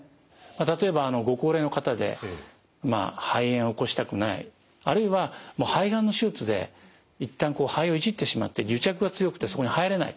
例えばご高齢の方で肺炎を起こしたくないあるいはもう肺がんの手術で一旦肺をいじってしまって癒着が強くてそこに入れない。